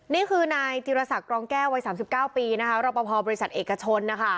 นี่คือนายจิรษรกรองแก้วัยสามสิบเก้าปีนะคะรอบเป้าพอบริษัทเอกชนนะคะ